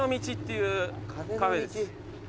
いうカフェです。